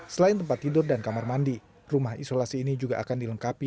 selain tempat tidur dan kamar mandi rumah isolasi ini juga akan dilengkapi